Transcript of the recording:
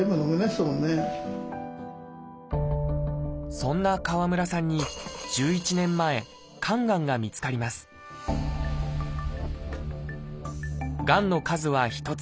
そんな川村さんに１１年前肝がんが見つかりますがんの数は１つ。